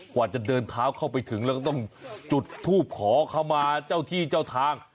กว่าจะเดินเท้าเข้าไปถึงแล้วก็ต้องจุดทูบขอเข้ามาเจ้าที่เจ้าทาง